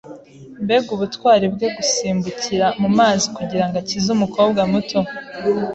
Mbega ubutwari bwe gusimbukira mumazi kugirango akize umukobwa muto!